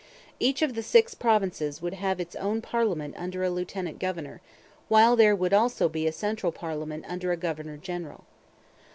Each of the six provinces would have its own parliament under a lieutenant governor, while there would also be a central parliament under a governor general.